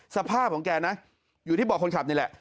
สภาพของแกนะอยู่ที่เบาะคนขับนี่แหละ